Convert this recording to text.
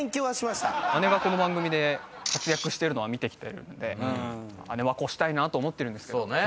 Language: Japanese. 姉がこの番組で活躍してるのは見てきてるんで姉は超したいなと思ってるんですけど。